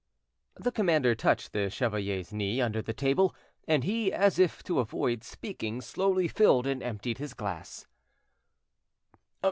The commander touched the chevalier's knee under the table, and he, as if to avoid speaking, slowly filled and emptied his glass.